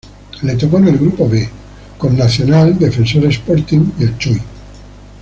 Le tocó en el grupo B, con Nacional, Defensor Sporting y el Chuy.